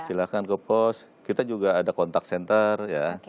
silahkan ke pos kita juga ada kontak senter ya